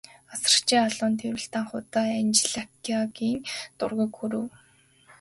Асрагчийн халуун тэврэлт анх удаа Анжеликагийн дургүйг хүргэв.